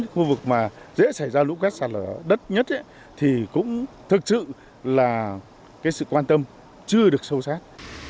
khu vực mà dễ xảy ra lũ quét sạt lở đất nhất thì cũng thực sự là sự quan tâm chưa được sâu sát